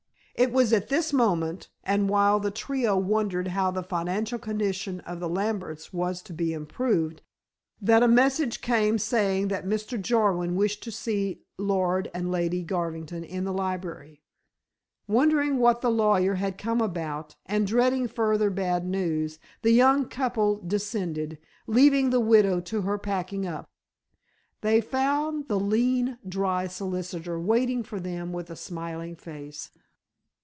It was at this moment, and while the trio wondered how the financial condition of the Lamberts was to be improved, that a message came saying that Mr. Jarwin wished to see Lord and Lady Garvington in the library. Wondering what the lawyer had come about, and dreading further bad news, the young couple descended, leaving the widow to her packing up. They found the lean, dry solicitor waiting for them with a smiling face.